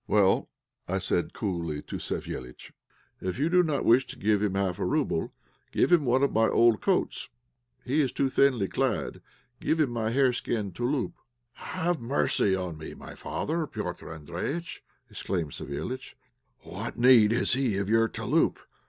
"Well," I said, coolly, to Savéliitch, "if you do not wish to give him half a rouble give him one of my old coats; he is too thinly clad. Give him my hareskin touloup." "Have mercy on me, my father, Petr' Andréjïtch!" exclaimed Savéliitch. "What need has he of your touloup?